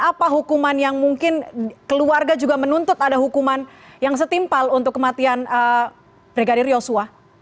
apa hukuman yang mungkin keluarga juga menuntut ada hukuman yang setimpal untuk kematian brigadir yosua